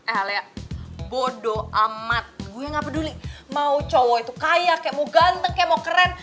eh bodoh amat gue gak peduli mau cowok itu kaya kek mau ganteng kayak mau keren